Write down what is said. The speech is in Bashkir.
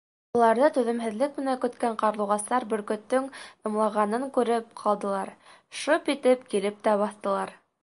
Быларҙы түҙемһеҙлек менән көткән ҡарлуғастар бөркөттөң ымлағанын күреп ҡалдылар, шып итеп килеп тә баҫтылар.